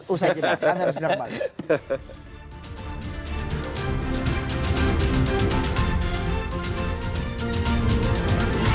usaha kita akan harus berangkat